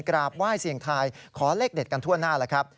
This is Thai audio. กราบไหว้เสียงไทยขอเล็กเด็ดกันทั่วหน้า